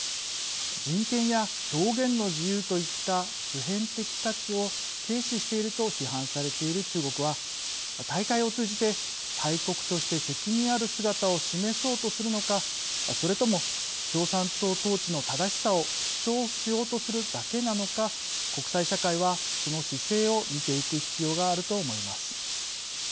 人権や表現の自由といった普遍的価値を軽視していると批判されている中国は大会を通じて、大国として責任ある姿を示そうとするのかそれとも共産党統治の正しさを主張しようとするだけなのか国際社会は、その姿勢を見ていく必要があると思います。